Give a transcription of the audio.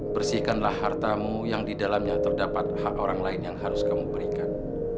bersihkanlah hartamu yang di dalamnya terdapat hak orang lain yang harus kamu berikan